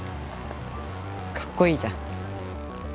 かっこいいじゃん。